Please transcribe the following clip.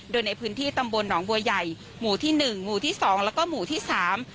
โดยในพื้นที่ตำบลหนองบัวใหญ่หมู่ที่หนึ่งหมู่ที่สองแล้วก็หมู่ที่สาม